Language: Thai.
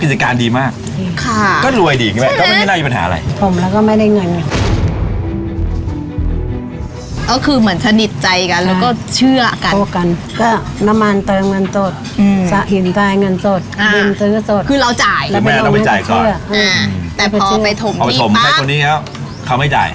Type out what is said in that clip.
คือเราจ่ายหรือแม่เราไปจ่ายก่อนอ่าแต่พอไปถมถมให้คนนี้แล้วเขาไม่จ่าย